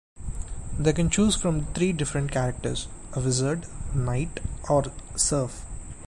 They can choose from three different characters; a Wizard, Knight or Serf.